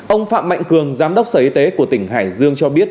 ông phạm mạnh cường giám đốc sở y tế của tỉnh hải dương cho biết